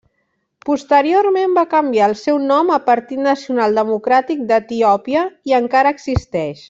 Posteriorment va canviar el seu nom a Partit Nacional Democràtic d'Etiòpia i encara existeix.